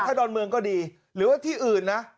ถ้าดอนเมืองก็ดีหรือว่าที่อื่นนะ